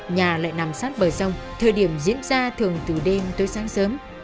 nhà lại nằm sát bờ sông thời điểm diễn ra thường từ đêm tới sáng sớm